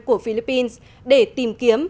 của philippines để tìm kiếm